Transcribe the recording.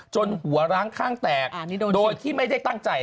หัวร้างข้างแตกโดยที่ไม่ได้ตั้งใจ